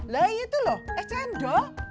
lah itu loh eh cendol